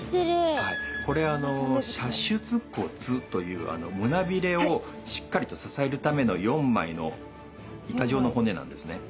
これ射出骨という胸びれをしっかりと支えるための４枚の板状の骨なんですね。